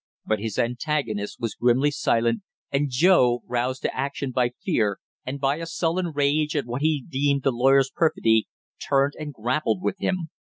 But his antagonist was grimly silent, and Joe, roused to action by fear, and by a sullen rage at what he deemed the lawyer's perfidy, turned and grappled with him.